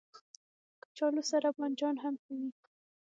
کچالو سره بانجان هم ښه وي